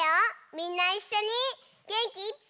みんないっしょにげんきいっぱい。